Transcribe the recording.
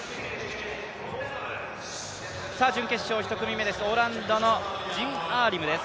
準決勝１組目です、オランダのジンＡリムです。